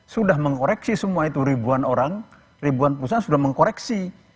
sudah mengkoreksi semua itu ribuan orang ribuan perusahaan sudah mengkoreksi